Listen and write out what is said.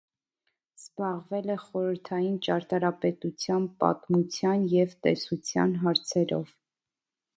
Զբաղվել է խորհրդային ճարտարապետության պատմության և տեսության հարցերով։